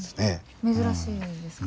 珍しいんですか？